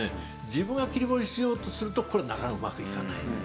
自分が切り盛りしようとするとこれなかなかうまくいかないんですね。